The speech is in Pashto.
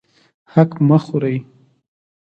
حق مه خورئ